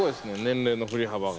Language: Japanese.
年齢の振り幅が。